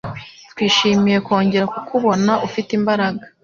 Twishimiye kongera kukubona ufite imbaraga.